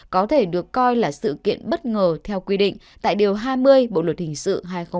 có thể được coi là sự kiện bất ngờ theo quy định tại điều hai mươi bộ luật hình sự hai nghìn một mươi năm